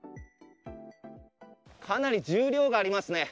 かなり重量がありますね。